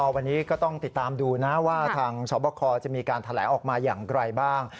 วันนี้ก็ต้องติดตามดูนะว่าทางสวบคจะมีการแถลงออกมาอย่างไรบ้าง